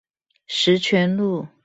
十全路